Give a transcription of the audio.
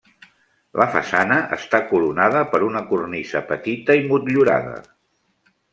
La façana està coronada per una cornisa petita i motllurada.